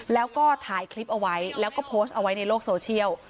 แล้วก็ถ่ายคลิปเอาไว้แล้วก็โพสต์เอาไว้ในโลกโซเชียล